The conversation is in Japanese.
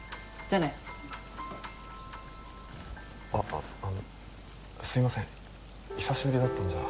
あっあのすいません久しぶりだったんじゃ。